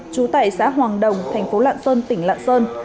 trú tại xã hoàng đồng thành phố lạng sơn tỉnh lạng sơn